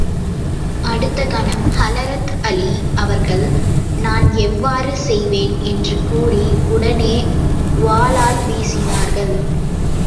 அடுத்த கணம் ஹலரத் அலீ அவர்கள், நான் அவ்வாறு செய்வேன்! என்று கூறி, உடனே வாளால் வீசினார்கள்.